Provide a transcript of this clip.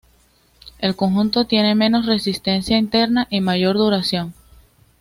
El conjunto tiene menos resistencia interna y mayor duración.